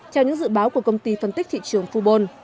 theo những dự báo của công ty phân tích thị trường fubon